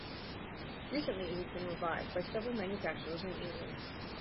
Recently it has been revived by several manufacturers in England.